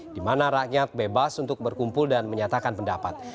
di mana rakyat bebas untuk berkumpul dan menyatakan pendapat